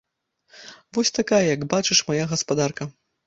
Вось такая, як бачыш, мая гаспадарка.